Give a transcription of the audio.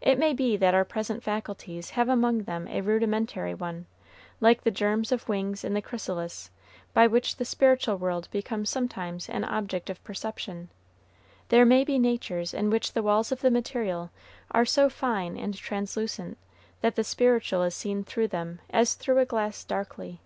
It may be that our present faculties have among them a rudimentary one, like the germs of wings in the chrysalis, by which the spiritual world becomes sometimes an object of perception; there may be natures in which the walls of the material are so fine and translucent that the spiritual is seen through them as through a glass darkly.